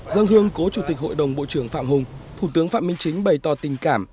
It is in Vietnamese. dân hương cố chủ tịch hội đồng bộ trưởng phạm hùng thủ tướng phạm minh chính bày tỏ tình cảm